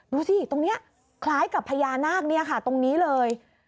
ดูสิตรงนี้คล้ายกับพญานาคตรงนี้เลย